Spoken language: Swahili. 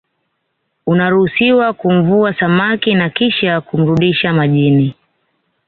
unaruhusiwa kumvua samaki na Kisha kumrudisha majini